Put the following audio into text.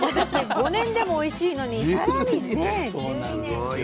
５年でもおいしいのに更にね１２年って。